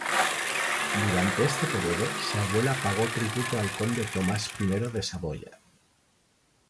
Durante este período, su abuela pagó tributo al conde Tomás I de Saboya.